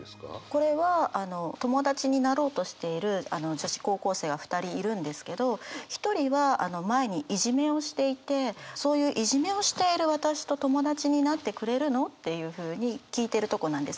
これはあの友達になろうとしている女子高校生が２人いるんですけど１人は前にいじめをしていてそういういじめをしている私と友達になってくれるの？っていうふうに聞いてるとこなんですね。